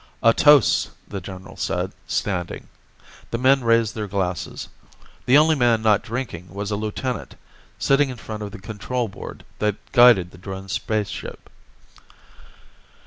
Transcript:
"A toast," the general said, standing. The men raised their glasses. The only man not drinking was a lieutenant, sitting in front of the control board that guided the drone spaceship.